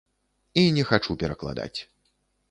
І не хачу перакладаць.